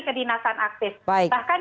kedinasan aktif bahkan